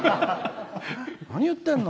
何言ってんの。